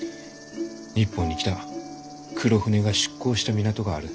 日本に来た黒船が出航した港がある。